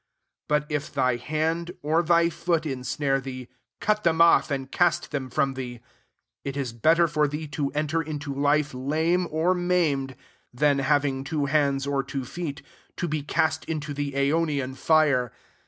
8 But if thy hand, or thy foot, insnare thee, cut them off and east t/iem from thee : it is better for thee to enter into life lame, or maim ed, than, having two hands or two feet, to be cast into the aio nian fire.